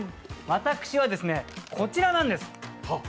私は、こちらなんです。